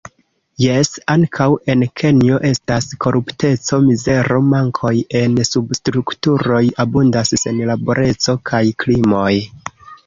Jes, ankaŭ en Kenjo estas korupteco, mizero, mankoj en substrukturoj, abundas senlaboreco kaj krimoj.